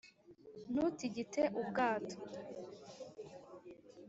ntutigite ubwato